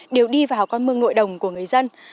đều đi vào con mương nội đồng của người dân